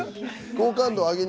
好感度を上げに。